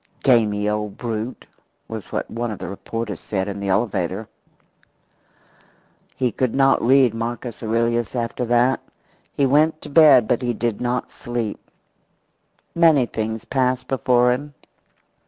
"Gamey old brute!" was what one of the reporters said in the elevator. He could not read Marcus Aurelius after that. He went to bed, but he did not sleep. Many things passed before him.